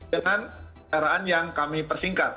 dengan caraan yang kami persingkat